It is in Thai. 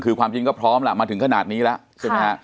คือความจริงก็พร้อมล่ะมาถึงขนาดนี้แล้วใช่ไหมฮะ